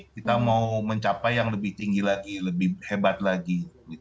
kita mau mencapai yang lebih tinggi lagi lebih hebat lagi